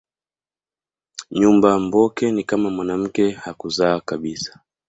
Nyumba mboke ni kama mwanamke hakuzaa kabisa